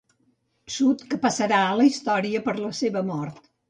Sud que passarà a la història per la seva mort.